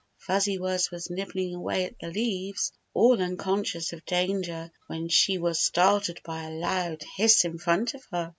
Fuzzy Wuzz was nibbling away at the leaves all unconscious of danger when she was startled by a loud hiss in front of her.